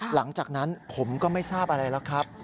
หลังจากนั้นผมก็ไม่ทราบอะไรแล้วครับ